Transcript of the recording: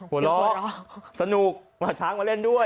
หัวเราะสนุกมาช้างมาเล่นด้วย